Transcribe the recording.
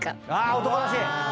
あ男らしい！